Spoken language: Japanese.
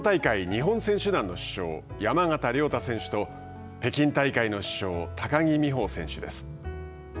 日本選手団の主将、山縣亮太選手と北京大会の主将、高木美帆選手です。